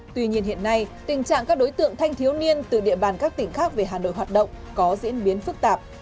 tuy nhiên hiện nay tình trạng các đối tượng thanh thiếu niên từ địa bàn các tỉnh khác về hà nội hoạt động có diễn biến phức tạp